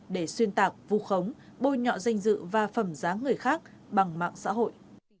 để xuyên tạc vù khống bôi nhọ danh dự và phẩm giá người khác bằng mạng xã hội